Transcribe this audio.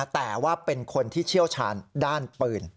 แต่ว่าเป็นคนที่เชี่ยวชาญด้านปืน